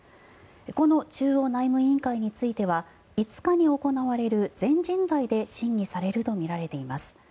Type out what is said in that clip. この中央内務委員会については５日に行われる全人代で審議されるとみられています。